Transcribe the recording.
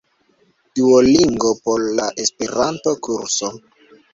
Duolingo por la Esperanto-kurso